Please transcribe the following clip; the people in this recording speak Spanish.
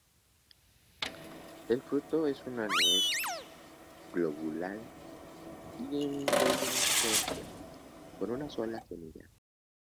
El fruto es una nuez globular indehiscente con una sola semilla.